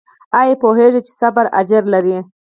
ایا پوهیږئ چې صبر اجر لري؟